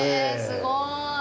すごい。